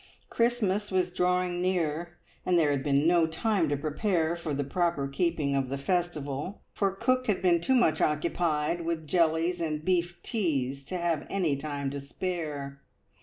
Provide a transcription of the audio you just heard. Christmas was drawing near, and there had been no time to prepare for the proper keeping of the festival, for cook had been too much occupied with jellies and beef teas to have any time to spare.